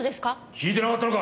聞いてなかったのか！